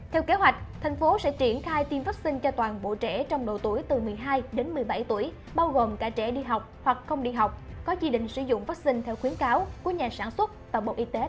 theo kế hoạch thành phố sẽ triển khai tiêm vaccine cho toàn bộ trẻ trong độ tuổi từ một mươi hai đến một mươi bảy tuổi bao gồm cả trẻ đi học hoặc không đi học có chỉ định sử dụng vaccine theo khuyến cáo của nhà sản xuất và bộ y tế